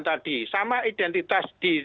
tadi sama identitas di